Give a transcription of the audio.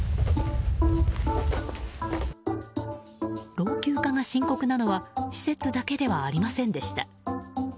老朽化が深刻なのは施設だけではありませんでした。